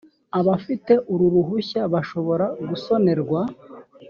abafite uru ruhushya bashobora gusonerwa